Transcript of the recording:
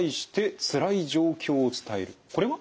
これは？